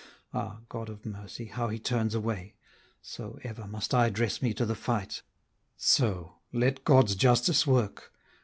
Ah! God of mercy, how he turns away! So, ever must I dress me to the fight, So: let God's justice work!